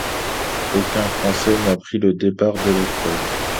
Aucun Français n'a pris le départ de l'épreuve.